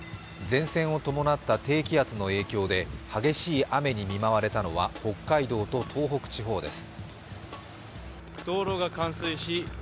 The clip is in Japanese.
前線を伴った低気圧の影響で激しい雨に見舞われたのは北海道と東北地方です。